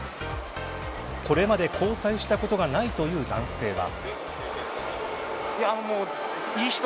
これまで交際したことがないという男性は。